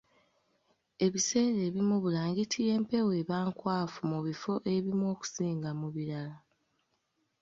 Ebiseera ebimu bbulangiti y'empewo eba nkwafu mu bifo ebimu okusinga mu birala